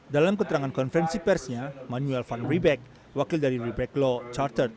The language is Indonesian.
dalam keterangan konferensi persnya manuel von riebeck wakil dari riebeck law chartered